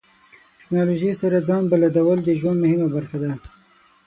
ټکنالوژي سره ځان بلدول د ژوند مهمه برخه ده.